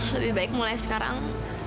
lebih baik mulai sekarang